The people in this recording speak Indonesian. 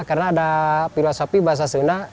karena ada filosofi bahasa sunda